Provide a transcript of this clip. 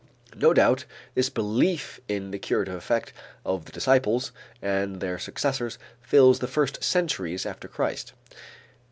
No doubt this belief in the curative effect of the disciples and their successors fills the first centuries after Christ.